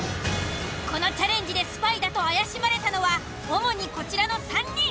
このチャレンジでスパイだと怪しまれたのは主にこちらの３人。